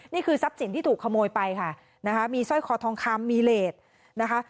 นี่คือทรัพย์สินที่ถูกขโมยไปค่ะนะคะมีสร้อยคอทองคำมีเลสนะคะ